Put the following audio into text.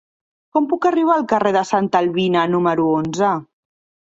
Com puc arribar al carrer de Santa Albina número onze?